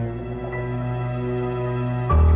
aku sudah berhenti